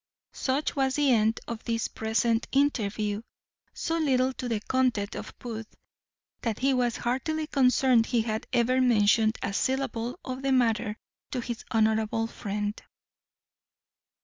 Such was the end of this present interview, so little to the content of Booth, that he was heartily concerned he had ever mentioned a syllable of the matter to his honourable friend.